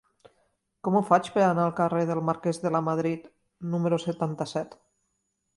Com ho faig per anar al carrer del Marquès de Lamadrid número setanta-set?